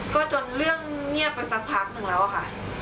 ก็จนเรื่องเงียบไปสักพักหนึ่งแล้วค่ะ